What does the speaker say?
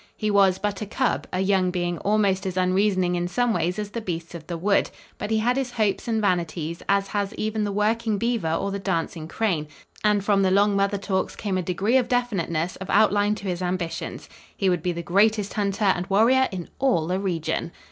He was but a cub, a young being almost as unreasoning in some ways as the beasts of the wood, but he had his hopes and vanities, as has even the working beaver or the dancing crane, and from the long mother talks came a degree of definiteness of outline to his ambitions. He would be the greatest hunter and warrior in all the region!